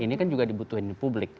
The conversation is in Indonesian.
tapi itu juga dibutuhkan di publik